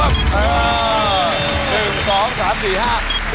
เงิน